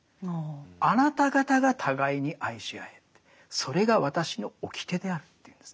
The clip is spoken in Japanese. あなた方が互いに愛し合えってそれが私の掟であるって言うんですね。